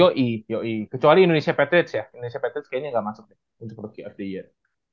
yoi kecuali indonesia patriots ya indonesia patriots kayaknya gak masuk untuk rookie of the year